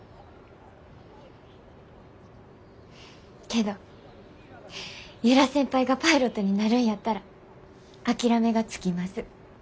けど由良先輩がパイロットになるんやったら諦めがつきます。